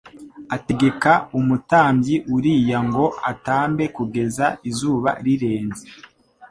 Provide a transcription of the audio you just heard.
ategeka umutambyi uriy ango atambe kugeza izuba rirenze